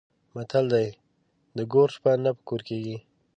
متل دی: د ګور شپه نه په کور کېږي.